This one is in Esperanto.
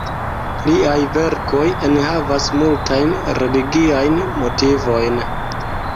Liaj verkoj enhavas multajn religiajn motivojn.